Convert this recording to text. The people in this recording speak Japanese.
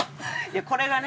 これがね